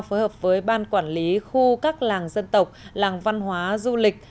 phối hợp với ban quản lý khu các làng dân tộc làng văn hóa du lịch